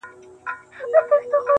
زه به د وخت له کومي ستړي ريشا وژاړمه,